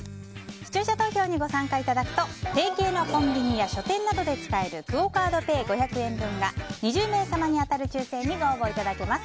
視聴者投票にご参加いただくと提携のコンビニや書店などで使えるクオ・カードペイ５００円分が２０名様に当たる抽選にご応募いただけます。